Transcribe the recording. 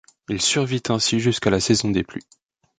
Il survit ainsi jusqu'à la saison des pluies.